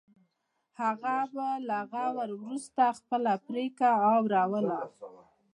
هغه به له غور وروسته خپله پرېکړه اوروله.